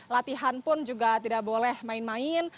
latihan pun juga tidak boleh main main